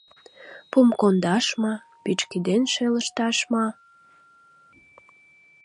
— Пум кондаш ма, пӱчкеден шелышташ ма...